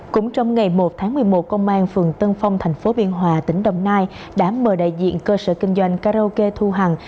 cũng trong ngày một tháng một mươi một công an phường tân phong tp biên hòa tỉnh đồng nai đã mời đại diện cơ sở kinh doanh karaoke thu hằng